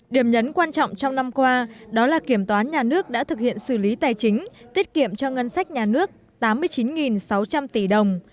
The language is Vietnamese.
điểm nhấn quan trọng trong năm qua đó là kiểm toán nhà nước đã thực hiện xử lý tài chính tiết kiệm cho ngân sách nhà nước tám mươi chín sáu trăm linh tỷ đồng